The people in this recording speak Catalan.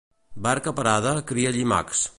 Barca parada cria llimacs.